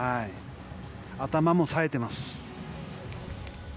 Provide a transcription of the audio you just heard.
頭も冴えてます。